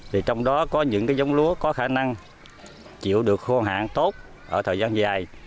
thì trong đó có những cái giống lúa có khả năng chịu được khô hạn tốt ở thời gian dài